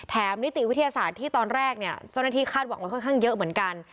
นิติวิทยาศาสตร์ที่ตอนแรกเนี่ยเจ้าหน้าที่คาดหวังไว้ค่อนข้างเยอะเหมือนกัน